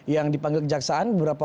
yang dipanggil kejaksaan beberapa